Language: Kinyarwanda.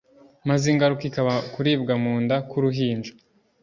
maze ingaruka ikaba kuribwa mu nda kwuruhinja